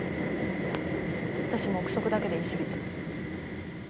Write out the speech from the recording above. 私も臆測だけで言いすぎた。